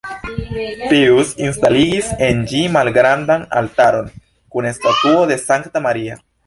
Pijus instaligis en ĝi malgrandan altaron kun statuo de Sankta Maria.